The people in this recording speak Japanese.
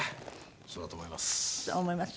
そうだと思います。